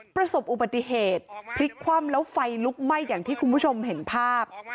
ประสบอุบัติเหตุพลิกคว่ำแล้วไฟลุกไหม้อย่างที่คุณผู้ชมเห็นภาพ